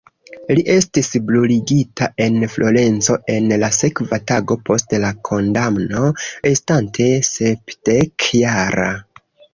Li estis bruligita en Florenco en la sekva tago post la kondamno, estante sepdek-jara.